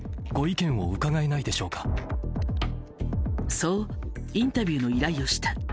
そうインタビューの依頼をした。